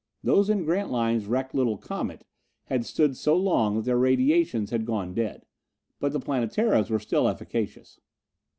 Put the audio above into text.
Those in Grantline's wrecked little Comet had stood so long that their radiations had gone dead. But the Planetara's were still efficacious.